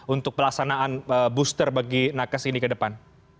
untuk pelaksanaan booster bagi nakes ini ke depan